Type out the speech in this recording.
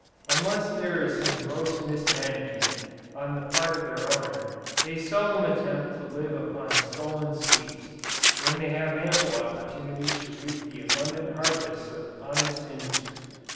Unless there is some gross mismanagement, on the part of their owner, they seldom attempt to live upon stolen sweets, when they have ample opportunity to reap the abundant harvests of honest industry.